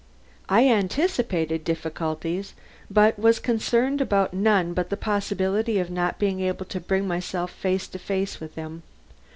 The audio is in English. I anticipated difficulties, but was concerned about none but the possibility of not being able to bring myself face to face with him.